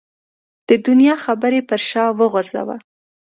د دنیا خبرې پر شا وغورځوه.